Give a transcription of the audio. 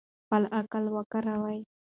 خپل عقل وکاروئ.